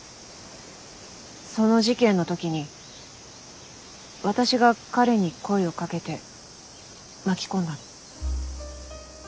その事件の時に私が彼に声をかけて巻き込んだの。